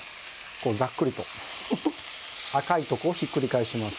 こうざっくりとフフッ赤いとこをひっくり返します。